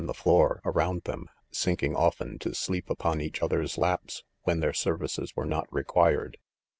the floor, around them, sinking often to sleep upon each other's laps when their services were not required.